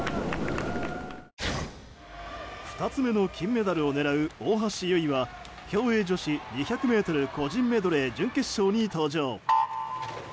２つ目の金メダルを狙う大橋悠依は競泳女子２００ｍ個人メドレー準決勝に登場。